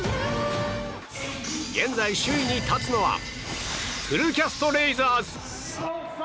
現在、首位に立つのはフルキャスト・レイザーズ。